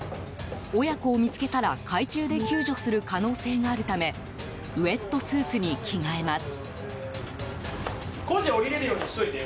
親子を見つけたら海中で救助する可能性があるためウェットスーツに着替えます。